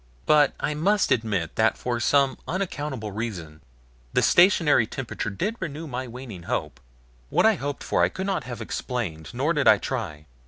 But I must admit that for some unaccountable reason the stationary temperature did renew my waning hope. What I hoped for I could not have explained, nor did I try.